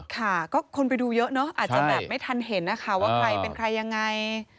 ค่ะก็คนไปดูเยอะเนอะอาจจะแบบไม่ทันเห็นนะคะว่าใครเป็นใครยังไง